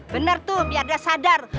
bener tuh biar dia sadar